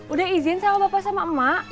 udah izin sama bapak sama emak